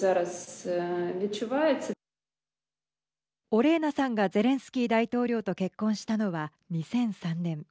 オレーナさんがゼレンスキー大統領と結婚したのは２００３年。